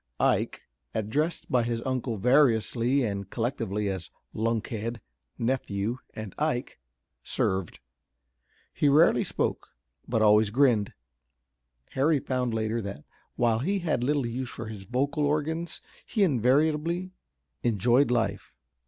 Ike, addressed by his uncle variously and collectively as "lunkhead," "nephew," and "Ike," served. He rarely spoke, but always grinned. Harry found later that while he had little use for his vocal organs he invariably enjoyed life.